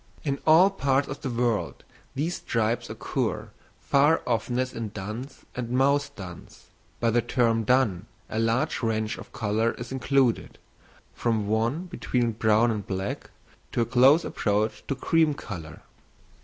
In all parts of the world these stripes occur far oftenest in duns and mouse duns; by the term dun a large range of colour is included, from one between brown and black to a close approach to cream colour.